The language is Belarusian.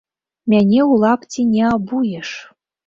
Мяне ў лапці не абуеш!